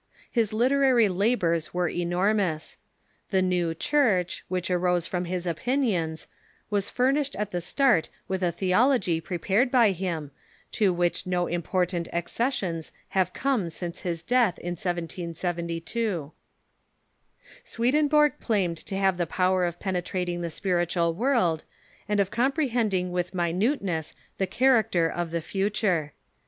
His literary labors Avere enormous. The New Church, which arose from his opinions, was furnished at the start with a theology prepared by him, to which no im])or tant accessions have come since his death, in 1772. Swedenborg claimed to have the power of penetrating the spiritual world, and of comprehending with minuteness the character of the future.